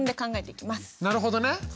なるほどね。